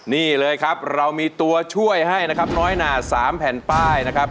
นี่เลยครับเรามีตัวช่วยให้นะครับ